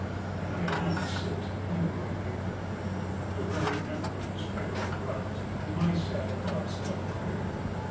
And I alone sit lingering here! Their very memory is fair and bright, And my sad thoughts doth clear.